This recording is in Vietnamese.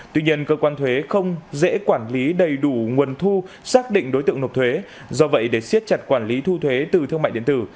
tuy nhiên cơ quan thuế không dễ quản lý đầy đủ nguồn thu xác định đối tượng nộp thuế do vậy để siết chặt quản lý thu thuế từ thương mại điện tử